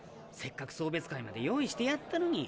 送別会まで用意してやったのに。